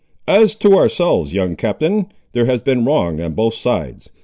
"As to ourselves, young Captain, there has been wrong on both sides.